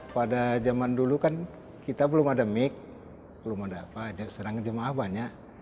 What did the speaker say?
pada zaman dulu kan kita belum ada mic belum ada apa serangan jemaah banyak